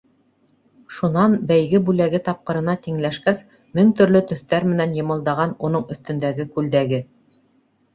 Шунан бәйге бүләге тапҡырына тиңләшкәс, мең төрлө төҫтәр менән йымылдаған уның өҫтөндәге кулдәге.